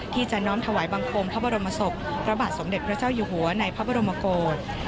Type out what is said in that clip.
ที่จะน้อมถวายบังคมพระบรมศพพระบาทสมเด็จพระเจ้าอยู่หัวในพระบรมโกศ